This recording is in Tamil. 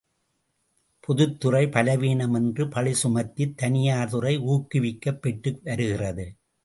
பொதுத்துறை பலவீனம் என்று பழி சுமத்தித் தனியார் துறை ஊக்குவிக்கப் பெற்று வருகிறது.